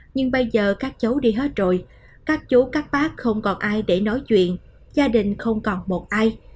nhưng bây giờ các cháu đi hết rồi các chú các bác không còn ai để nói chuyện gia đình không còn một ai